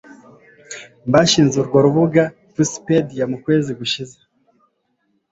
bashinze urwo rubuga Pussypedia mu kwezi gushize